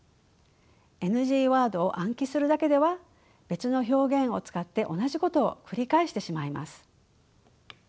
ＮＧワードを暗記するだけでは別の表現を使って同じことを繰り返してしまいます。